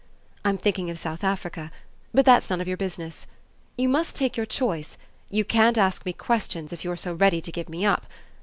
I'm thinking of South Africa, but that's none of your business. You must take your choice you can't ask me questions if you're so ready to give me up.